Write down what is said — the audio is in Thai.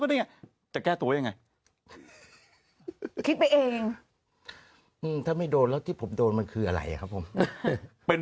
พลิกต๊อกเต็มเสนอหมดเลยพลิกต๊อกเต็มเสนอหมดเลย